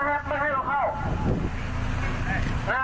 มันยังไม่เกิดไหมครับนะครับ